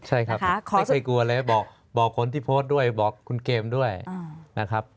ใช่ครับไม่เคยกลัวเลยบอกคนที่โพสต์ด้วยบอกคุณเกมด้วยนะครับ